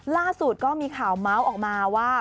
ล่าสุดก็มีข่าวเมาส์ออกมาว่า